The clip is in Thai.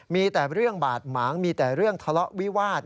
มีแต่เรื่องบาดหมางมีแต่เรื่องทะเลาะวิวาส